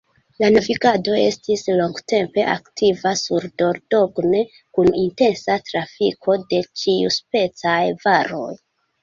La navigado estis longtempe aktiva sur Dordogne, kun intensa trafiko de ĉiuspecaj varoj.